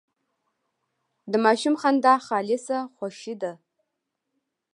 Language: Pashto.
د ماشوم خندا خالصه خوښي ده.